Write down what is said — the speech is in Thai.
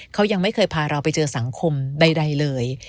เขายังไม่เคยพาเราไปเจอสังคมใดเลย